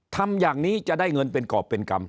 ทำอย่างนี้จะได้เงินเป็นกรอบเป็นกรรม